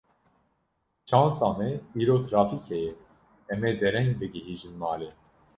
Şansa me îro trafîk heye, em ê dereng bigihîjin malê.